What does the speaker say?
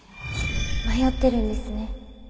迷ってるんですね。